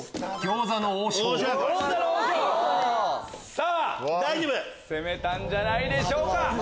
さぁ攻めたんじゃないでしょうか